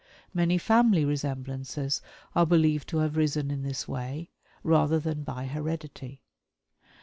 Many family resemblances are believed to have arisen in this way, rather than by heredity.